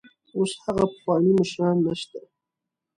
اوس هغه پخواني مشران نشته.